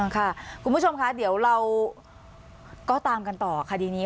ค่ะคุณผู้ชมค่ะเดี๋ยวเราก็ตามกันต่อคดีนี้